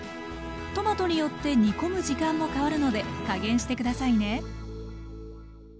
トマトによって煮込む時間も変わるので加減して下さいね。